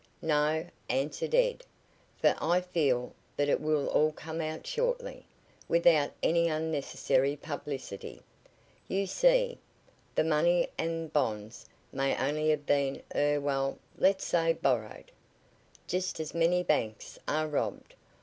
"No," answered Ed, "for I feel that it will all come out shortly, without any unnecessary publicity. You see, the money and bonds may only have been er well, let's say borrowed. Just as many banks are robbed.